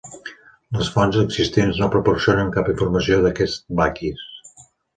Les fonts existents no proporcionen cap informació d'aquest Bakis.